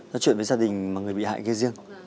nói chuyện với gia đình mà người bị hại gây riêng